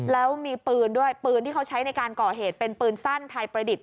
แล้วมีปืนด้วยปืนที่เขาใช้ในการก่อเหตุเป็นปืนสั้นไทยประดิษฐ